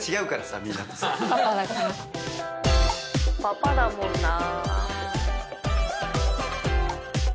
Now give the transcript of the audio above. パパだもんな。